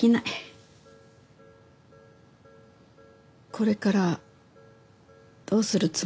これからどうするつもり？